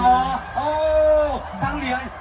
มาแล้วครับพี่น้อง